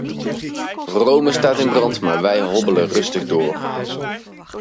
Rome staat in brand, maar wij hobbelen rustig door.